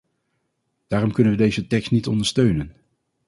Daarom kunnen we deze tekst niet ondersteunen.